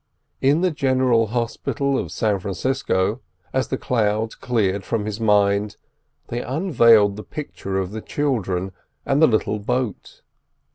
In the general hospital of San Francisco, as the clouds cleared from his mind, they unveiled the picture of the children and the little boat.